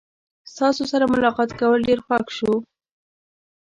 ستاسو سره ملاقات کول ډیر خوښ شو.